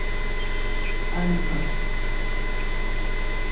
Spin, spin into the darkness.